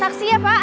tak siap pak